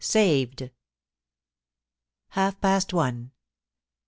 SAVED. Half past one.